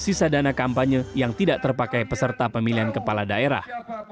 sisa dana kampanye yang tidak terpakai peserta pemilihan kepala daerah